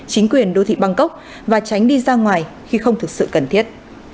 chính quyền đô thị bangkok và tránh đi ra ngoài khi không thực sự cần thiết